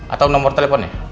atau nomor teleponnya